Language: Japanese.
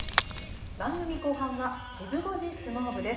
番組後半は、シブ５時相撲部です。